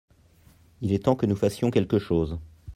il est temps que nous fassions quelque chose.